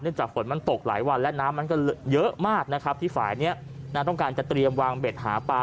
จากฝนมันตกหลายวันและน้ำมันก็เยอะมากนะครับที่ฝ่ายนี้ต้องการจะเตรียมวางเบ็ดหาปลา